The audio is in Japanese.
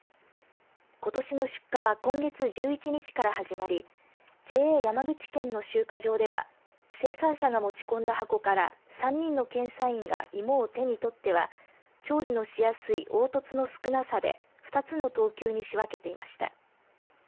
ことしの出荷は今月１１日から始まりＪＡ山口県の集荷場では生産者が持ち込んだ箱から３人の検査員が芋を手にとっては調理のしやすい凹凸の少なさで２つの等級に仕分けていました。